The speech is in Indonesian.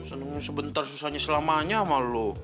seneng sebentar susahnya selamanya sama lu